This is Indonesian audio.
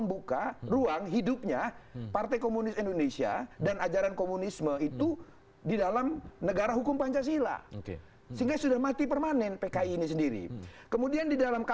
masalahnya kita ini membicarakan sebuah film